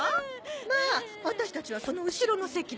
まあワタシたちはその後ろの席ですわ。